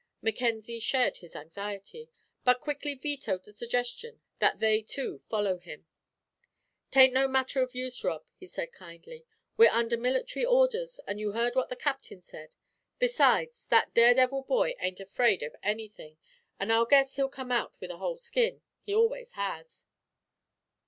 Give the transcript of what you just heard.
Mackenzie shared his anxiety, but quickly vetoed the suggestion that they two follow him. "'T ain't no manner of use, Rob," he said, kindly. "We're under military orders, and you heard what the Captain said. Besides, that dare devil boy ain't afraid of anything, and I guess he'll come out with a whole skin he always has."